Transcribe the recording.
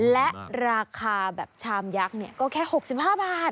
และราคาแบบชามยักษ์ก็แค่๖๕บาท